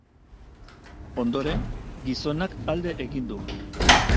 Ondoren, gizonak alde egin du.